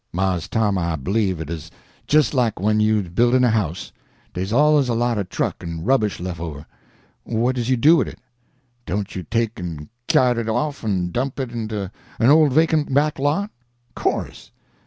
"Mars Tom, I b'lieve it uz jes like when you's buildin' a house; dey's allays a lot o' truck en rubbish lef' over. What does you do wid it? Doan' you take en k'yart it off en dump it into a ole vacant back lot? 'Course.